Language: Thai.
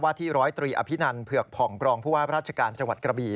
วาที่๑๐๓อภินันต์เผือกผ่องกรองผู้ห้าพระราชการจังหวัดกระบี